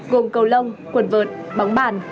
gồm cầu lông quần vợt bóng bản